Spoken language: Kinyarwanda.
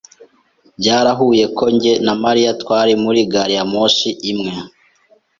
Byarahuye ko njye na Mariya twari muri gari ya moshi imwe.